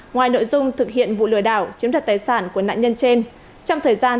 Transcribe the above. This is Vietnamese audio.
ngoài nội dung thực hiện vụ lừa đảo chiếm đoạt tài sản của nạn nhân trên